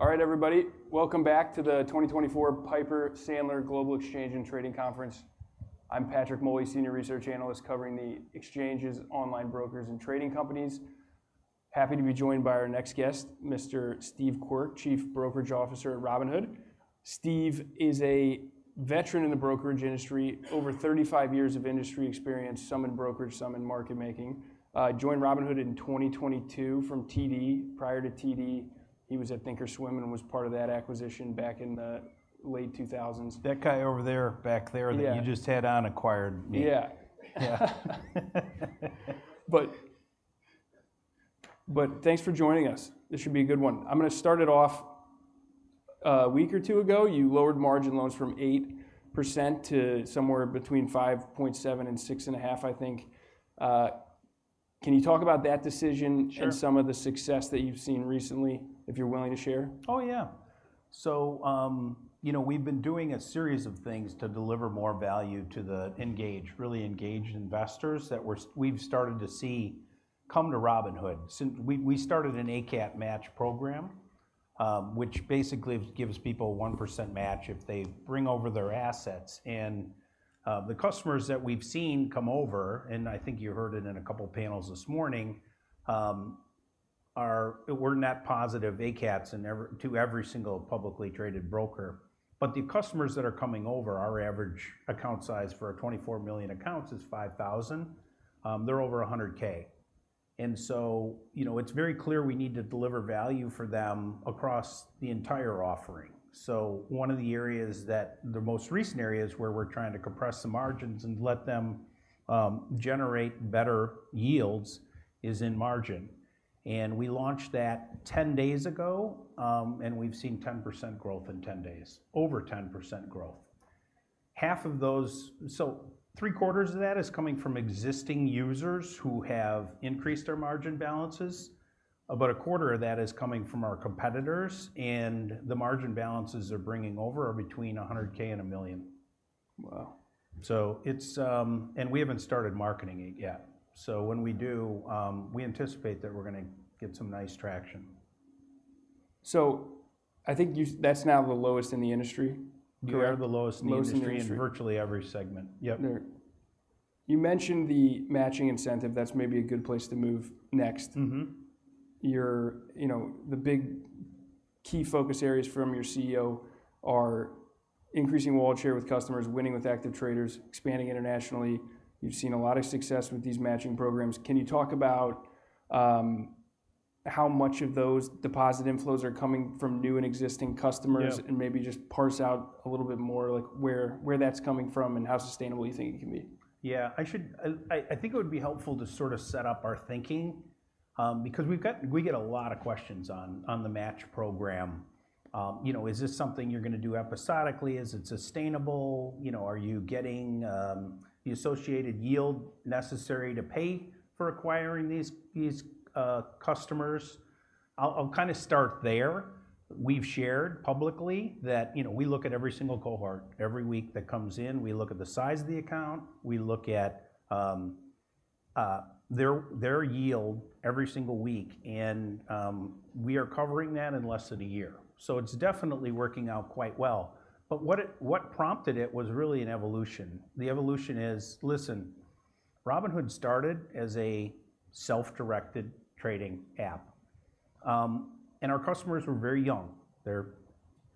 All right, everybody, welcome back to the 2024 Piper Sandler Global Exchange and Trading Conference. I'm Patrick Moley, senior research analyst covering the exchanges, online brokers, and trading companies. Happy to be joined by our next guest, Mr. Steve Quirk, Chief Brokerage Officer at Robinhood. Steve is a veteran in the brokerage industry, over 35 years of industry experience, some in brokerage, some in market making. Joined Robinhood in 2022 from TD. Prior to TD, he was at Thinkorswim and was part of that acquisition back in the late 2000s. That guy right there, back there that you just had on, acquired me. Yeah. Thanks for joining us. This should be a good one. I'm gonna start it off. A week or two ago, you lowered margin loans from 8% to somewhere between 5.7% and 6.5%, I think. Can you talk about that decision and some of the success that you've seen recently, if you're willing to share? Oh, yeah. So, you know, we've been doing a series of things to deliver more value to the engaged, really engaged investors that we've started to see come to Robinhood. Since we started an ACAT match program, which basically gives people a 1% match if they bring over their assets. And the customers that we've seen come over, and I think you heard it in a couple of panels this morning, are. We're net positive ACATs to every single publicly traded broker. But the customers that are coming over, our average account size for our 24 million accounts is $5,000. They're over $100,000. And so, you know, it's very clear we need to deliver value for them across the entire offering. So one of the areas, the most recent areas where we're trying to compress the margins and let them generate better yields is in margin, and we launched that 10 days ago. And we've seen 10% growth in 10 days, over 10% growth. Half of those—so three-quarters of that is coming from existing users who have increased their margin balances. About a quarter of that is coming from our competitors, and the margin balances they're bringing over are between $100,000 and $1 million. Wow! So it's. We haven't started marketing it yet. So when we do, we anticipate that we're gonna get some nice traction. So I think that's now the lowest in the industry, correct? We are the lowest in the industry- Lowest in the industry.... in virtually every segment. Yep. You mentioned the matching incentive. That's maybe a good place to move next. You, you know, the big key focus areas from your CEO are increasing wallet share with customers, winning with active traders, expanding internationally. You've seen a lot of success with these matching programs. Can you talk about how much of those deposit inflows are coming from new and existing customers? Maybe just parse out a little bit more, like, where that's coming from and how sustainable you think it can be? Yeah, I should, I think it would be helpful to sort of set up our thinking, because we get a lot of questions on the match program. You know, "Is this something you're gonna do episodically? Is it sustainable?" You know, "Are you getting the associated yield necessary to pay for acquiring these customers?" I'll kinda start there. We've shared publicly that, you know, we look at every single cohort, every week that comes in. We look at the size of the account, we look at their yield every single week, and we are covering that in less than a year. So it's definitely working out quite well. But what prompted it was really an evolution. The evolution is... Listen, Robinhood started as a self-directed trading app, and our customers were very young. They're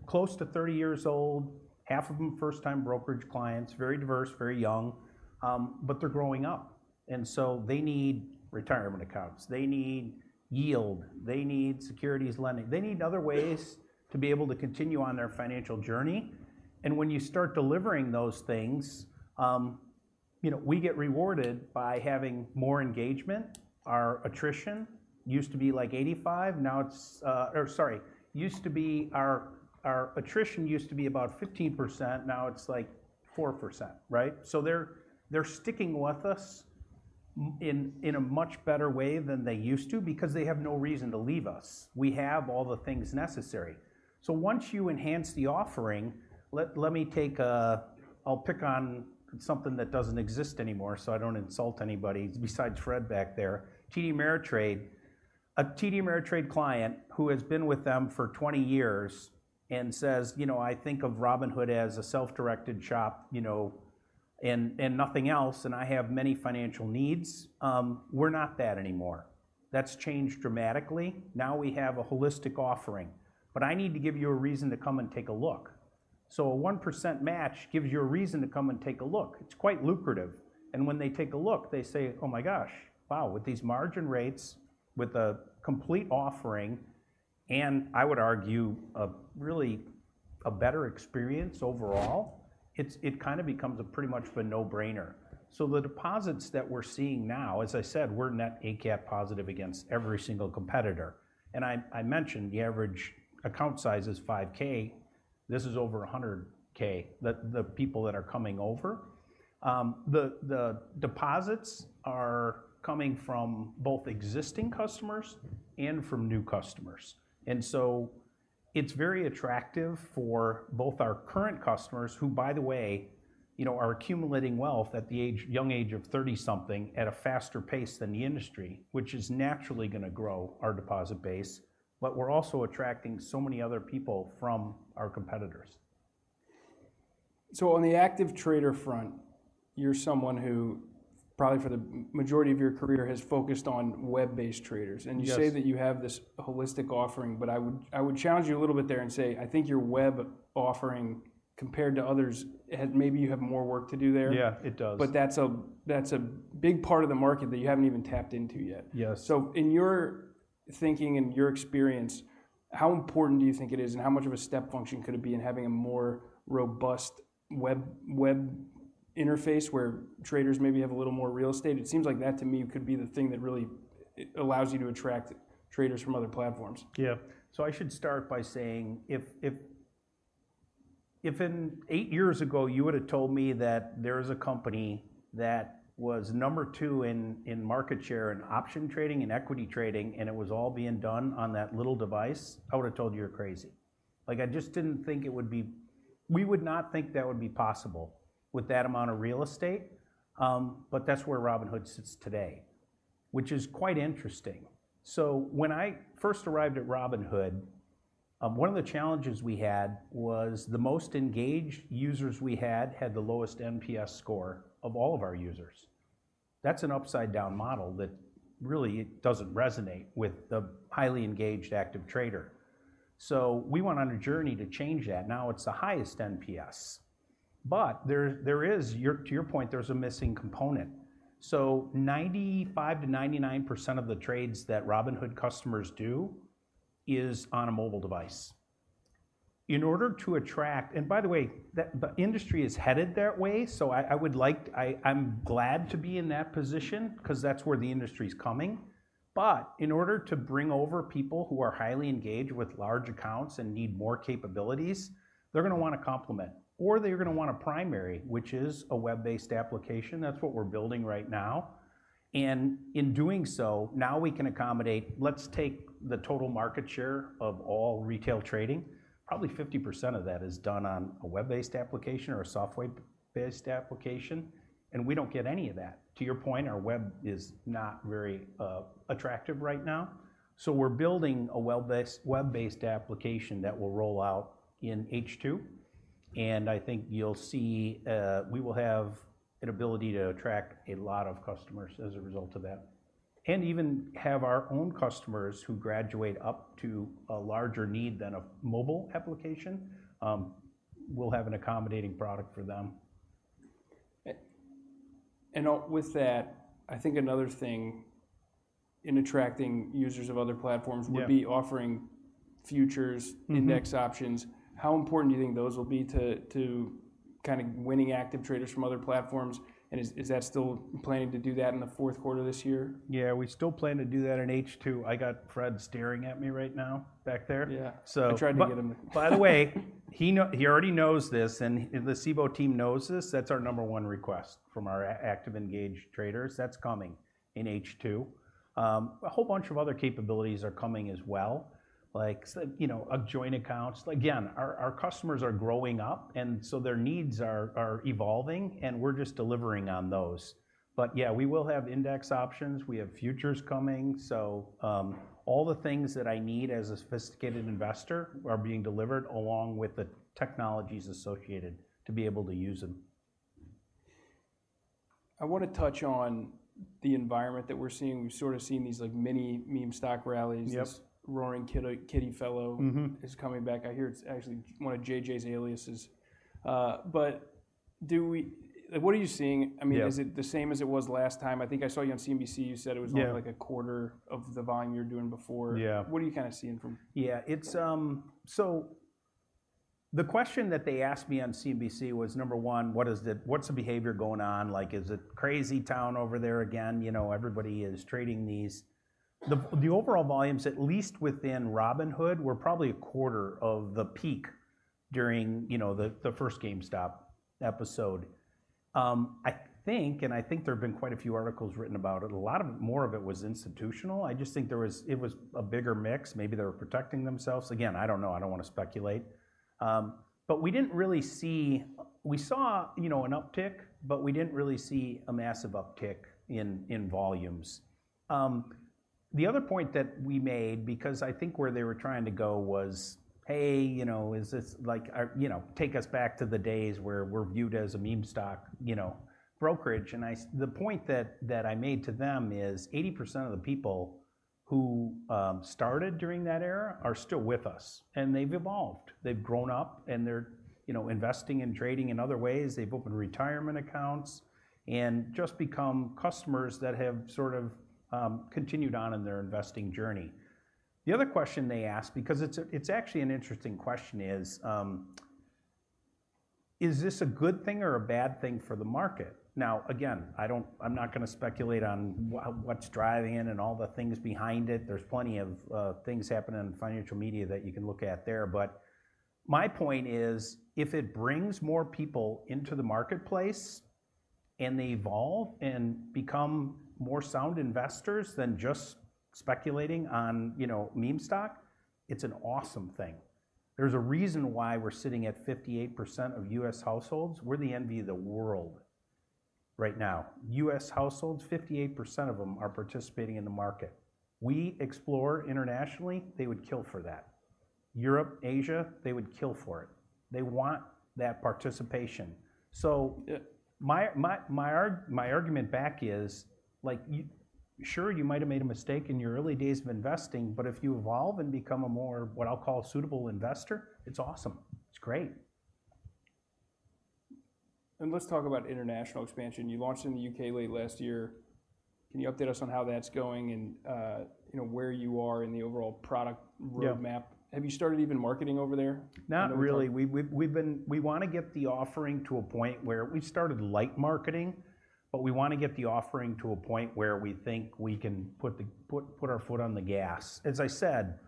close to 30 years old, half of them first-time brokerage clients, very diverse, very young, but they're growing up, and so they need retirement accounts, they need yield, they need securities lending. They need other ways to be able to continue on their financial journey, and when you start delivering those things, you know, we get rewarded by having more engagement. Our attrition used to be about 15%, now it's, like, 4%, right? So they're sticking with us in a much better way than they used to because they have no reason to leave us. We have all the things necessary. So once you enhance the offering, I'll pick on something that doesn't exist anymore, so I don't insult anybody besides Fred back there. TD Ameritrade. A TD Ameritrade client who has been with them for 20 years and says, "You know, I think of Robinhood as a self-directed shop, you know, and nothing else, and I have many financial needs," we're not that anymore. That's changed dramatically. Now, we have a holistic offering, but I need to give you a reason to come and take a look. So a 1% match gives you a reason to come and take a look. It's quite lucrative, and when they take a look, they say: "Oh, my gosh. Wow, with these margin rates, with a complete offering, and I would argue, a really better experience overall, it kinda becomes pretty much of a no-brainer. So the deposits that we're seeing now, as I said, we're net ACAT positive against every single competitor, and I mentioned the average account size is $5,000. This is over $100,000, the people that are coming over. The deposits are coming from both existing customers and from new customers. And so it's very attractive for both our current customers, who, by the way, you know, are accumulating wealth at the young age of 30-something at a faster pace than the industry, which is naturally gonna grow our deposit base, but we're also attracting so many other people from our competitors. On the active trader front, you're someone who, probably for the majority of your career, has focused on web-based traders. Yes. You say that you have this holistic offering, but I would, I would challenge you a little bit there and say, I think your web offering, compared to others, it had, maybe you have more work to do there. Yeah, it does. But that's a big part of the market that you haven't even tapped into yet. Yes. So in your thinking and your experience, how important do you think it is, and how much of a step function could it be in having a more robust web, web interface where traders maybe have a little more real estate? It seems like that, to me, could be the thing that really allows you to attract traders from other platforms. Yeah. So I should start by saying, if in eight years ago you would have told me that there is a company that was number number in market share and option trading and equity trading, and it was all being done on that little device, I would have told you you're crazy. Like, I just didn't think it would be... We would not think that would be possible with that amount of real estate, but that's where Robinhood sits today, which is quite interesting. So when I first arrived at Robinhood, one of the challenges we had was the most engaged users we had had the lowest NPS score of all of our users. That's an upside-down model that really doesn't resonate with the highly engaged active trader. So we went on a journey to change that. Now, it's the highest NPS, but to your point, there's a missing component. So 95%-99% of the trades that Robinhood customers do is on a mobile device. In order to attract, and by the way, that, the industry is headed that way, so I would like, I'm glad to be in that position because that's where the industry's coming. But in order to bring over people who are highly engaged with large accounts and need more capabilities, they're gonna want to complement, or they're gonna want to primary, which is a web-based application. That's what we're building right now. And in doing so, now we can accommodate, let's take the total market share of all retail trading. Probably 50% of that is done on a web-based application or a software-based application, and we don't get any of that. To your point, our web is not very attractive right now. So we're building a web-based application that will roll out in H2. And I think you'll see we will have an ability to attract a lot of customers as a result of that. And even have our own customers who graduate up to a larger need than a mobile application, we'll have an accommodating product for them. With that, I think another thing in attracting users of other platforms would be offering futures index options. How important do you think those will be to kinda winning active traders from other platforms? And is that still planning to do that in the fourth quarter of this year? Yeah, we still plan to do that in H2. I got Fred staring at me right now, back there. Yeah. So- I tried to get him to- By the way, he already knows this, and the Cboe team knows this, that's our number one request from our active, engaged traders. That's coming in H2. A whole bunch of other capabilities are coming as well, like so, you know, joint accounts. Again, our customers are growing up, and so their needs are evolving, and we're just delivering on those. But yeah, we will have index options. We have futures coming. So, all the things that I need as a sophisticated investor are being delivered, along with the technologies associated to be able to use them. I wanna touch on the environment that we're seeing. We've sorta seen these, like, mini-meme stock rallies. Yep. This Roaring Kitty fellow is coming back. I hear it's actually one of JJ's aliases. But do we—like, what are you seeing? Yeah. I mean, is it the same as it was last time? I think I saw you on CNBC, you said it was more like a quarter of the volume you were doing before. What are you kinda seeing from? Yeah, it's, so the question that they asked me on CNBC was, number one: What is the-- what's the behavior going on? Like, is it crazy town over there again, you know, everybody is trading these? The overall volumes, at least within Robinhood, were probably a quarter of the peak during, you know, the first GameStop episode. I think, and I think there have been quite a few articles written about it, a lot of more of it was institutional. I just think there was, it was a bigger mix. Maybe they were protecting themselves. Again, I don't know. I don't wanna speculate. But we didn't really see... We saw, you know, an uptick, but we didn't really see a massive uptick in volumes. The other point that we made, because I think where they were trying to go was, "Hey, you know, is this like..." You know, take us back to the days where we're viewed as a meme stock, you know, brokerage. And the point that I made to them is, 80% of the people who started during that era are still with us, and they've evolved. They've grown up, and they're, you know, investing and trading in other ways. They've opened retirement accounts and just become customers that have sort of continued on in their investing journey. The other question they asked, because it's actually an interesting question, is: Is this a good thing or a bad thing for the market. Now, again, I don't, I'm not gonna speculate on what's driving it and all the things behind it. There's plenty of things happening in the financial media that you can look at there. But my point is, if it brings more people into the marketplace... and they evolve and become more sound investors than just speculating on, you know, meme stock, it's an awesome thing. There's a reason why we're sitting at 58% of US households. We're the envy of the world right now. US households, 58% of them are participating in the market. We explore internationally, they would kill for that. Europe, Asia, they would kill for it. They want that participation. So, my argument back is, like, you, sure, you might have made a mistake in your early days of investing, but if you evolve and become a more, what I'll call, suitable investor, it's awesome. It's great. Let's talk about international expansion. You launched in the UK late last year. Can you update us on how that's going and, you know, where you are in the overall product-roadmap? Have you started even marketing over there? Not really. We've been—we wanna get the offering to a point where... We've started light marketing, but we wanna get the offering to a point where we think we can put our foot on the gas. As I said,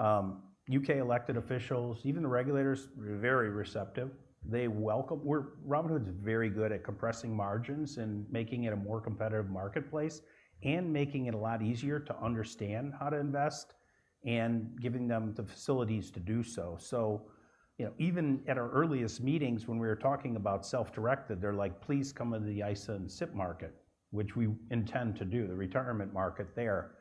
UK elected officials, even the regulators, were very receptive. They welcome—We're—Robinhood's very good at compressing margins and making it a more competitive marketplace, and making it a lot easier to understand how to invest, and giving them the facilities to do so. So, you know, even at our earliest meetings, when we were talking about self-directed, they're like: "Please come into the ISA and SIPP market," which we intend to do, the retirement market there.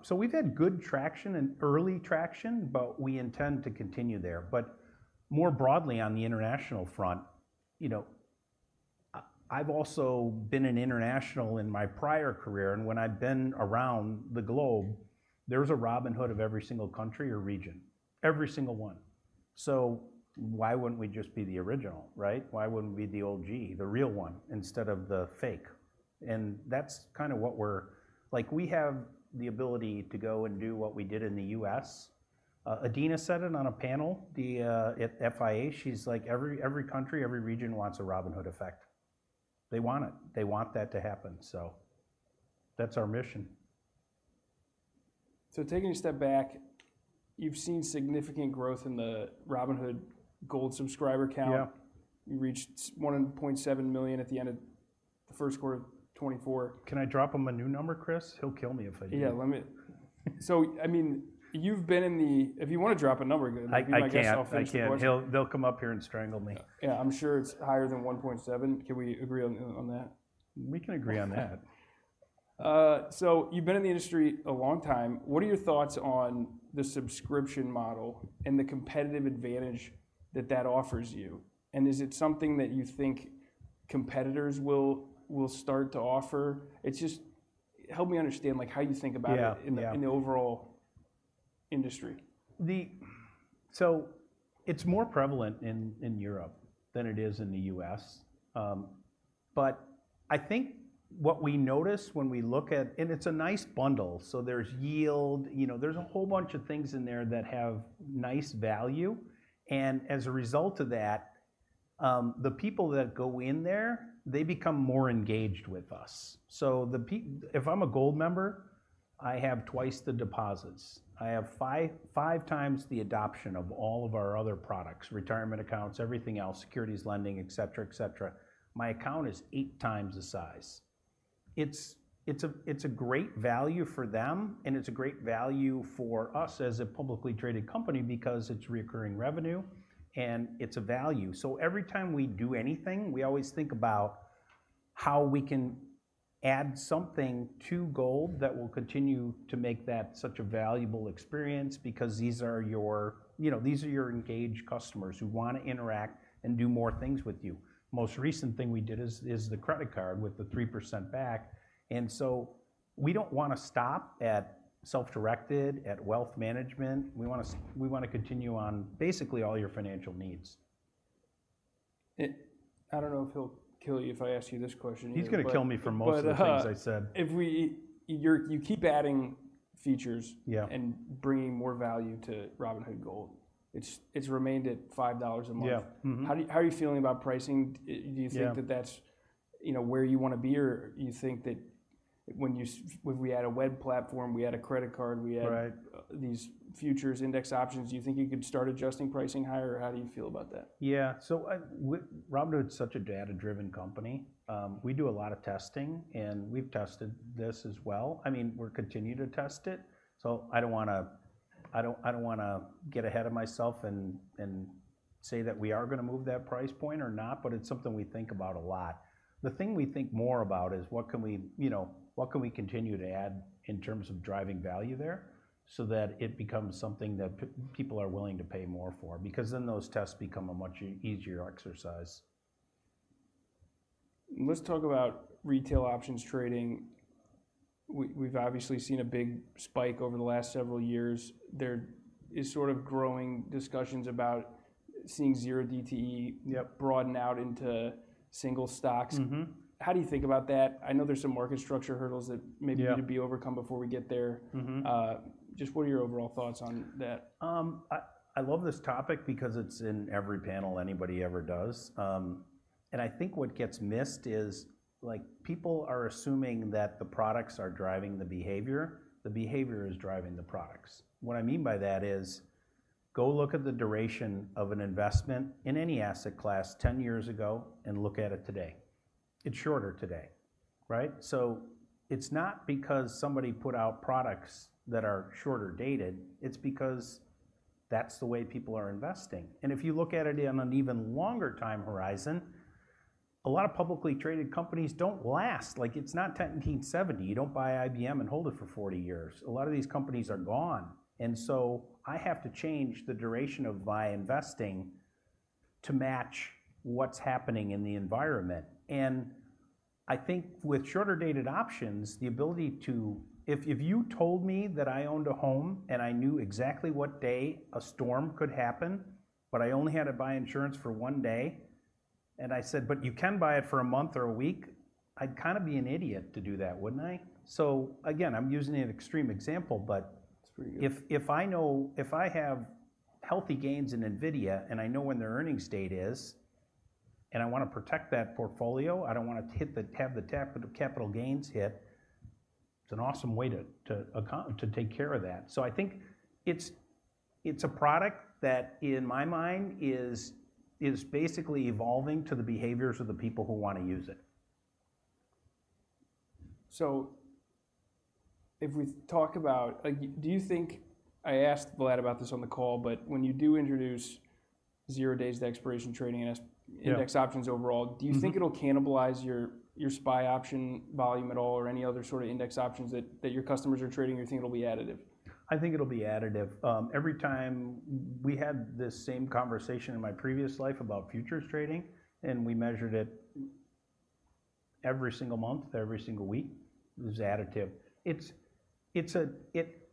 So we've had good traction and early traction, but we intend to continue there. But more broadly on the international front, you know, I've also been in international in my prior career, and when I've been around the globe, there's a Robinhood of every single country or region, every single one. So why wouldn't we just be the original, right? Why wouldn't we be the OG, the real one, instead of the fake? And that's kind of what we're... Like, we have the ability to go and do what we did in the US. Adena said it on a panel at FIA. She's like, "Every, every country, every region wants a Robinhood effect." They want it. They want that to happen, so that's our mission. Taking a step back, you've seen significant growth in the Robinhood Gold subscriber count. Yeah. You reached 1.7 million at the end of the first quarter of 2024. Can I drop him a new number, Chris? He'll kill me if I do. Yeah. So, I mean, you've been in the... If you wanna drop a number, be my guest. I can't. I'll finish the question. I can't. He'll, they'll come up here and strangle me. Yeah, I'm sure it's higher than 1.7. Can we agree on that? We can agree on that. So you've been in the industry a long time. What are your thoughts on the subscription model and the competitive advantage that that offers you? And is it something that you think competitors will, will start to offer? It's just... Help me understand, like, how you think about it in the overall industry. So it's more prevalent in Europe than it is in the US. But I think what we notice when we look at, and it's a nice bundle, so there's yield, you know, there's a whole bunch of things in there that have nice value. And as a result of that, the people that go in there, they become more engaged with us. So if I'm a Gold member, I have twice the deposits. I have five times the adoption of all of our other products, retirement accounts, everything else, securities lending, etc., etc. My account is eight times the size. It's a great value for them, and it's a great value for us as a publicly traded company because it's recurring revenue, and it's a value. So every time we do anything, we always think about how we can add something to Gold that will continue to make that such a valuable experience, because these are your, you know, these are your engaged customers who wanna interact and do more things with you. Most recent thing we did is the credit card with the 3% back, and so we don't wanna stop at self-directed, at wealth management. We wanna we wanna continue on basically all your financial needs. I don't know if he'll kill you if I ask you this question. He's gonna kill me for most of the things I said. You keep adding features and bringing more value to Robinhood Gold. It's remained at $5 a month. How are you feeling about pricing. Do you think that that's, you know, where you wanna be, or you think that when we add a web platform, we add a credit card, we add these futures, index options, do you think you could start adjusting pricing higher, or how do you feel about that? Yeah. So, Robinhood's such a data-driven company. We do a lot of testing, and we've tested this as well. I mean, we're continuing to test it, so I don't wanna, I don't, I don't wanna get ahead of myself and, and say that we are gonna move that price point or not, but it's something we think about a lot. The thing we think more about is what can we, you know, what can we continue to add in terms of driving value there, so that it becomes something that people are willing to pay more for? Because then those tests become a much easier exercise. Let's talk about retail options trading. We've obviously seen a big spike over the last several years. There is sort of growing discussions about seeing Zero DTE broaden out into single stocks How do you think about that? I know there's some market structure hurdles that maybe need to be overcome before we get there. Just what are your overall thoughts on that? I love this topic because it's in every panel anybody ever does. And I think what gets missed is, like, people are assuming that the products are driving the behavior. The behavior is driving the products. What I mean by that is, go look at the duration of an investment in any asset class 10 years ago, and look at it today. It's shorter today, right? So it's not because somebody put out products that are shorter dated. It's because that's the way people are investing. And if you look at it on an even longer time horizon, a lot of publicly traded companies don't last. Like, it's not 1970. You don't buy IBM and hold it for 40 years. A lot of these companies are gone, and so I have to change the duration of my investing to match what's happening in the environment. I think with shorter dated options, the ability to—if you told me that I owned a home and I knew exactly what day a storm could happen, but I only had to buy insurance for one day, and I said, "But you can buy it for a month or a week," I'd kinda be an idiot to do that, wouldn't I? So again, I'm using an extreme example, but- It's for you. If I have healthy gains in NVIDIA, and I know when their earnings date is, and I wanna protect that portfolio, I don't wanna have the tax capital gains hit, it's an awesome way to take care of that. So I think it's a product that in my mind is basically evolving to the behaviors of the people who wanna use it. So if we talk about, like, do you think. I asked Vlad about this on the call, but when you do introduce zero days to expiration trading and as index options overall, do you think it'll cannibalize your SPY option volume at all, or any other sort of index options that your customers are trading, or you think it'll be additive? I think it'll be additive. Every time we had this same conversation in my previous life about futures trading, and we measured it every single month, every single week, it was additive. It's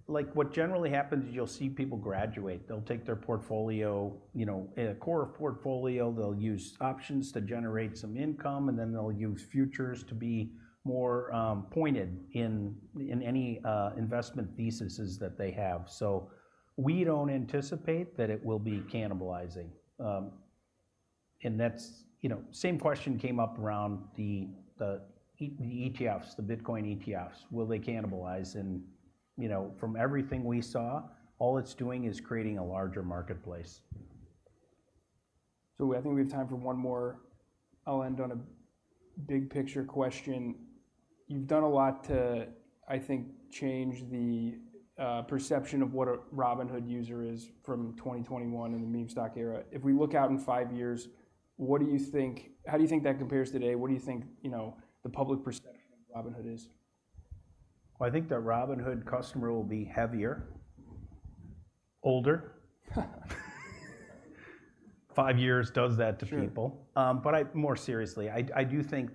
like what generally happens is you'll see people graduate. They'll take their portfolio, you know, a core portfolio, they'll use options to generate some income, and then they'll use futures to be more pointed in any investment theses that they have. So we don't anticipate that it will be cannibalizing. And that's, you know, same question came up around the ETFs, the Bitcoin ETFs. Will they cannibalize? And, you know, from everything we saw, all it's doing is creating a larger marketplace. So I think we have time for one more. I'll end on a big picture question. You've done a lot to, I think, change the perception of what a Robinhood user is from 2021 and the meme stock era. If we look out in five years, what do you think, how do you think that compares today, and what do you think, you know, the public perception of Robinhood is? Well, I think the Robinhood customer will be heavier, older. Five years does that to people. Sure. But more seriously, I do think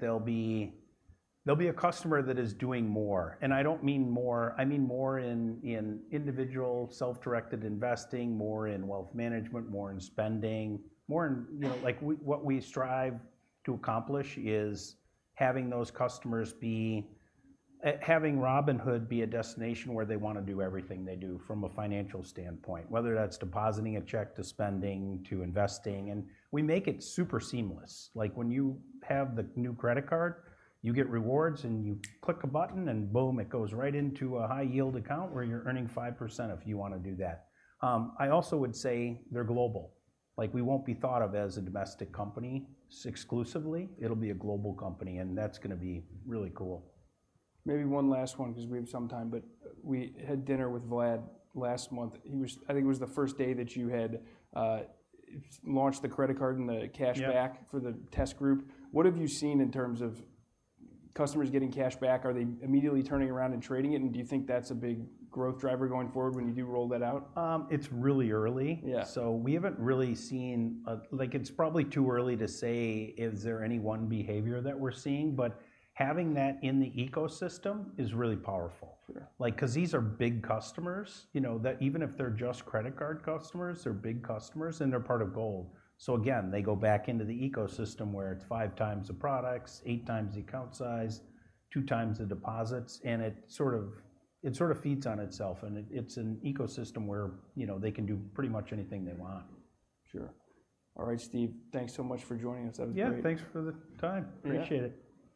there'll be a customer that is doing more, and I don't mean more, I mean more in individual, self-directed investing, more in wealth management, more in spending, more in, you know, like, we, what we strive to accomplish is having those customers be having Robinhood be a destination where they wanna do everything they do from a financial standpoint, whether that's depositing a check, to spending, to investing. And we make it super seamless. Like, when you have the new credit card, you get rewards, and you click a button, and boom, it goes right into a high yield account, where you're earning 5% if you wanna do that. I also would say they're global. Like, we won't be thought of as a domestic company exclusively. It'll be a global company, and that's gonna be really cool. Maybe one last one, because we have some time, but we had dinner with Vlad last month. He was-- I think it was the first day that you had launched the credit card and the cash back for the test group. What have you seen in terms of customers getting cash back? Are they immediately turning around and trading it, and do you think that's a big growth driver going forward when you do roll that out? It's really early. Yeah. So we haven't really seen like, it's probably too early to say, is there any one behavior that we're seeing? But having that in the ecosystem is really powerful. Sure. Like, 'cause these are big customers. You know, that even if they're just credit card customers, they're big customers, and they're part of Gold. So again, they go back into the ecosystem, where it's 5x the products, 8x the account size, 2x the deposits, and it sort of, it sort of feeds on itself. And it, it's an ecosystem where, you know, they can do pretty much anything they want. Sure. All right, Steve, thanks so much for joining us. That was great. Yeah, thanks for the time. Yeah. Appreciate it.